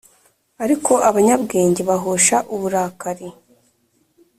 ariko abanyabwenge bahosha uburakari